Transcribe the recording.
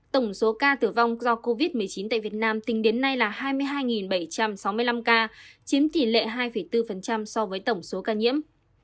tổng số ca tử vong do covid một mươi chín tại việt nam tính đến nay là hai mươi hai bảy trăm sáu mươi năm ca chiếm tỷ lệ hai bốn so với tổng số ca nhiễm